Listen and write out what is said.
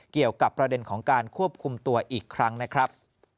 เกี่ยวกับประเด็นของการควบคุมตัวอีกครั้งนะครับ